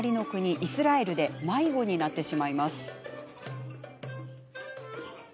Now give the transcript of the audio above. イスラエルで迷子になってしまいます。